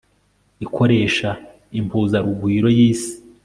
ikoresha impuzarugwiro y'isi